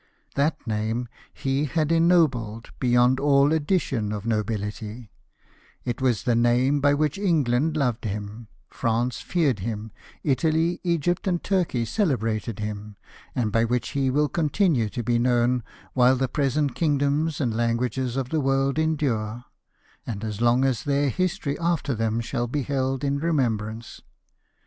That name he had ennobled beyond all addition of nobility ; it was the name by which England loved him, France feared him, Italy, Egypt, and Turkey celebrated him, and by which he will continue to be known while the present kingdoms and languages of the world endure, and as long as their history after them shall be held in remembrance.